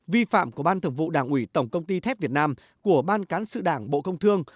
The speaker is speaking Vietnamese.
vi phạm của ban thường vụ đảng ủy tổng công ty thép việt nam của ban cán sự đảng bộ công thương